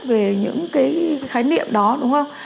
về những cái khái niệm đó đúng không